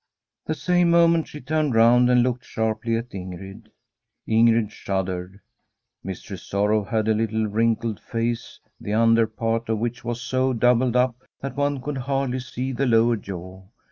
The same moment she turned round and looked sharply at Ing^id. Ingrid shuddered. Mistress Sorrow had a lit tle, wrinkled face, the under part of which was so doubled up that one could hardly see the lower jaw.